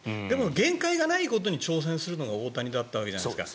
限界がないことに挑戦するのが大谷だったわけじゃないですか。